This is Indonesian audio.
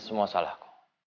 ini semua salahku